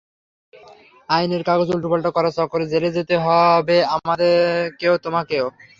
আইনের কাগজ উল্টাপাল্টা করার চক্করে জেলে যেতে হবে আমাকেও, তোমাকেও।